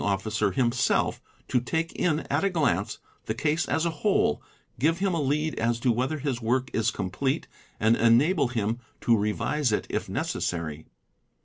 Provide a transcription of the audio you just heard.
Officer himself to take in at a glance the case as a whole, give him a lead as ae BO whether = ek is complete, a epee rane to revise it if necessary.